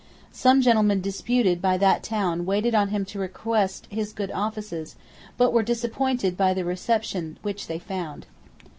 Some gentlemen deputed by that town waited on him to request his good offices, but were disappointed by the reception which they found.